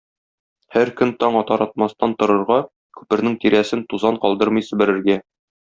һәр көн таң атар-атмастан торырга, күпернең тирәсен тузан калдырмый себерергә.